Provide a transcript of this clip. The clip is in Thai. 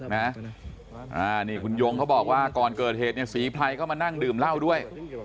นี่คุณยงเขาบอกว่าก่อนเกิดเหตุเนี่ยศรีไพรก็มานั่งดื่มเหล้าด้วย